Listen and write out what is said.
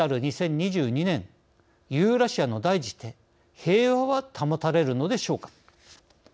２０２２年ユーラシアの大地で平和は保たれるのでしょうか。